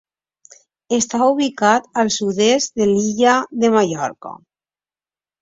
Està ubicat al sud-est de l'Illa de Mallorca.